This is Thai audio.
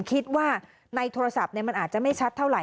คิดว่าในโทรศัพท์มันอาจจะไม่ชัดเท่าไห